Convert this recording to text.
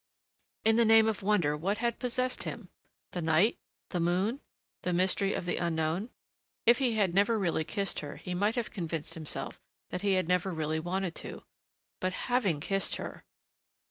In the name of wonder, what had possessed him? The night? The moon? The mystery of the unknown?... If he had never really kissed her he might have convinced himself that he had never really wanted to. But having kissed her